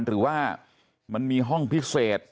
หรือว่ามันมีห้องพิเศษ